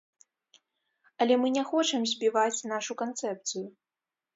Але мы не хочам збіваць нашу канцэпцыю.